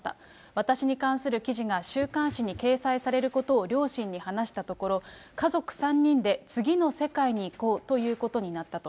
私に関する記事が週刊誌に掲載されることを両親に話したところ、家族３人で次の世界に行こうということになったと。